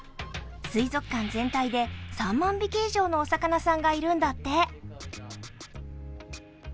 水族館全体で３万匹以上のお魚さんがいるんだって。